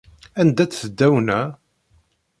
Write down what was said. Anda-tt tdawna?